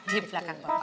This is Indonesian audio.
di belakang bapak